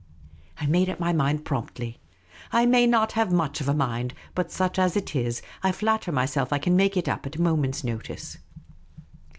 I made up my mind promptly. I may not have nuich of a mind ; but, such as it is, I flatter myself I can make it up at a moment's notice.